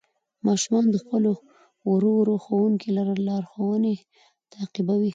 ماشومان د خپل ورو ورو ښوونکي لارښوونې تعقیبوي